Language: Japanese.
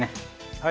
はい。